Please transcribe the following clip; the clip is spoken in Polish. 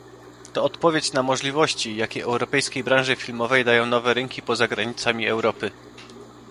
To odpowiedź na możliwości, jakie europejskiej branży filmowej dają nowe rynki poza granicami Europy